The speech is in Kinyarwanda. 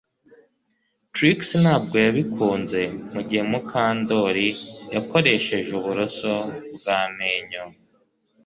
Trix ntabwo yabikunze mugihe Mukandoli yakoresheje uburoso bwamenyo